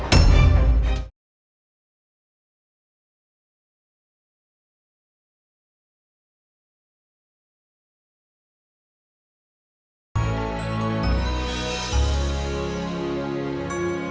harusnya siap sini saja